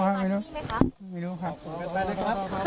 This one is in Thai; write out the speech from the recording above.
เคยมาไหมคะน้องจีน่าเคยมาที่นี่ไหมคะ